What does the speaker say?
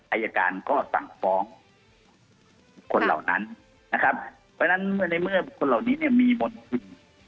อายการก็สั่งฟ้องคนเหล่านั้นนะครับเพราะฉะนั้นเมื่อในเมื่อคนเหล่านี้เนี่ยมีมณฑิน